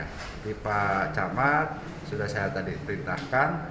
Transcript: tapi pak camat sudah saya tadi ceritakan